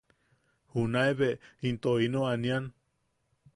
Junae be into ino anian.